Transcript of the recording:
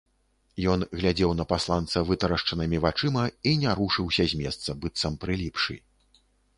Ён глядзеў на пасланца вытрашчанымі вачыма і не рушыўся з месца, быццам прыліпшы.